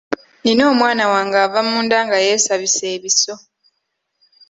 Nina omwana wange ava munda nga yeesabise ebiso.